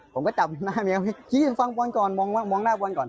ผมก็จับหน้าแมวเมื่อกี้ฟังบอลก่อนมองหน้าบอลก่อน